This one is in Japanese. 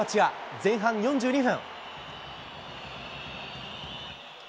前半４２分。